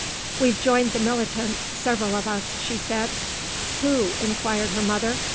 "We've joined the militants, several of us," she said. "Who?" inquired her mother.